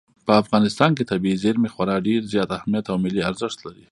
په افغانستان کې طبیعي زیرمې خورا ډېر زیات اهمیت او ملي ارزښت لري.